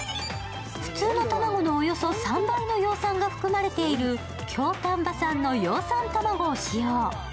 普通の卵のおよそ３倍の葉酸が含まれている、京丹波産の葉酸たまごを使用。